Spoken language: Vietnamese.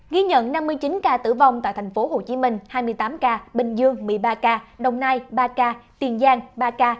ghi nhận năm mươi chín ca tử vong tại thành phố hồ chí minh hai mươi tám ca bình dương một mươi ba ca đồng nai ba ca tiền giang ba ca